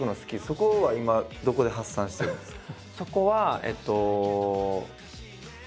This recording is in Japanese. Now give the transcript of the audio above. そこは今どこで発散してるんですか？